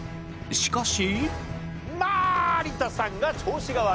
しかし。